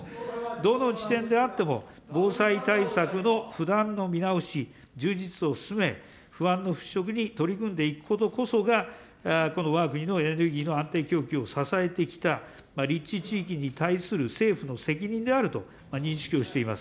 どの地点であっても、防災対策の不断の見直し、充実を進め、不安の払しょくに取り組んでいくことこそが、このわが国のエネルギーの安定供給を支えてきた立地地域に対する政府の責任であると認識をしています。